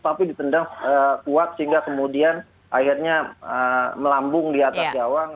tapi ditendang kuat sehingga kemudian airnya melambung di atas gawang